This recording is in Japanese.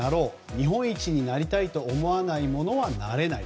日本一になりたいと思わないものはなれない。